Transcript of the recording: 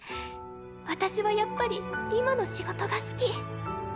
私はやっぱり今の仕事が好き。